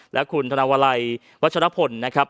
และคุณธนวลัยวัชรพลนะครับ